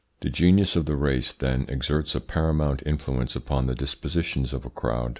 The genius of the race, then, exerts a paramount influence upon the dispositions of a crowd.